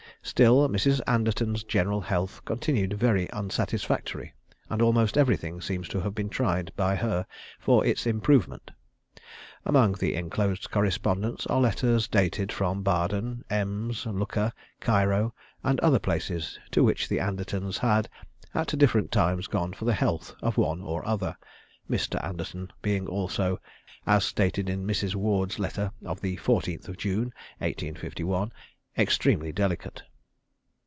Still Mrs. Anderton's general health continued very unsatisfactory, and almost everything seems to have been tried by her for its improvement. Among the enclosed correspondence are letters dated from Baden, Ems, Lucca, Cairo, and other places to which the Andertons had, at different times, gone for the health of one or other, Mr. Anderton being also, as stated in Mrs. Ward's letter of the 14th June, 1851, extremely delicate.